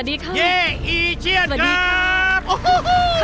เย้อีเชียนครับ